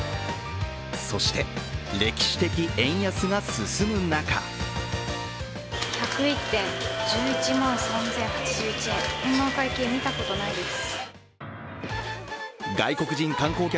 そして、歴史的円安が進む中こんな会計見たことないです。